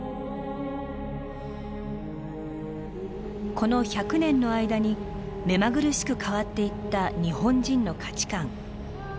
この１００年の間に目まぐるしく変わっていった日本人の価値観。